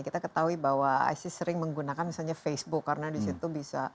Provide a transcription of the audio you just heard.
kita ketahui bahwa isis sering menggunakan misalnya facebook karena disitu bisa